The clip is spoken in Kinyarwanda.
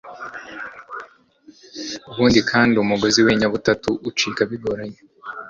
ubundi kandi umugozi w'inyabutatu ucika bigoranye